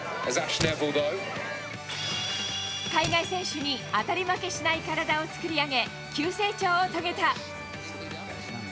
海外選手に当たり負けしない体を作り上げ、急成長を遂げた。